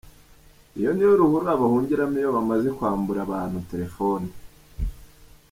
Iyi niyo ruhurura bahungiramo iyo bamaze kwambura abantu letefone.